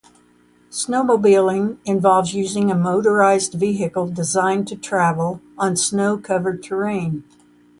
Snowmobiling involves using a motorized vehicle designed to travel on snow-covered terrain.